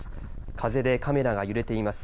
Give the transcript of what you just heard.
風でカメラが揺れています。